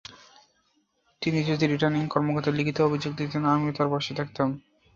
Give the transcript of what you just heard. তিনি যদি রিটার্নিং কর্মকর্তাকে লিখিত অভিযোগ দিতেন, আমিও তাঁর পাশে থাকতাম।